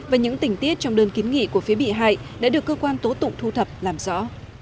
và những tình tiết trong đơn kiến nghị của phía bị hại đã được cơ quan tố tụng thu thập làm rõ